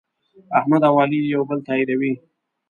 احمد او علي یو بل تأییدوي.